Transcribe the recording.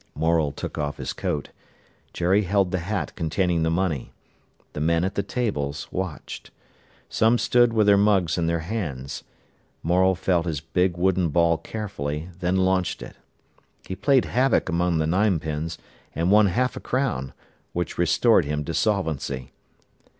Morel took off his coat. Jerry held the hat containing the money. The men at the tables watched. Some stood with their mugs in their hands. Morel felt his big wooden ball carefully, then launched it. He played havoc among the nine pins, and won half a crown, which restored him to solvency.